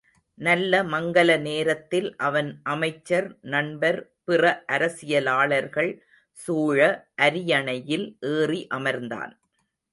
நல்ல மங்கல நேரத்தில் அவன் அமைச்சர், நண்பர், பிற அரசியலாளர்கள் சூழ அரியணையில் ஏறி அமர்ந்தான்.